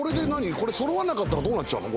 これ揃わなかったらどうなっちゃうの？